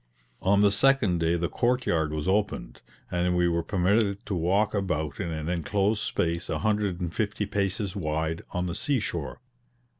On the second day the court yard was opened, and we were permitted to walk about in an inclosed space a hundred and fifty paces wide, on the sea shore.